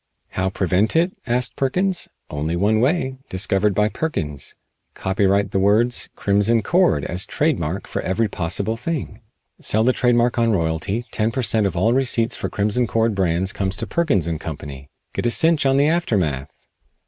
"How prevent it?" asked Perkins. "One way only, discovered by Perkins. Copyright the words 'Crimson Cord' as trade mark for every possible thing. Sell the trade mark on royalty; ten per cent. of all receipts for 'Crimson Cord' brands comes to Perkins & Co. Get a cinch on the aftermath!"